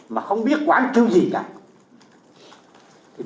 mà không biết quản kêu gì cả